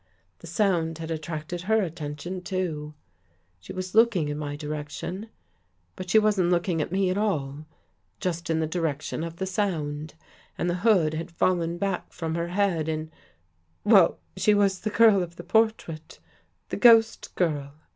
The sound had attracted her at tention too. She was looking in my direction, but wasn't looking at me at all — just in the direction of the sound, and the hood had fallen back from her head and — well, she was the girl of the portrait, the ghost girl.